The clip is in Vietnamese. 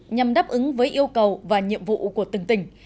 nhằm đáp ứng với yêu cầu và nhiệm vụ của từng tỉnh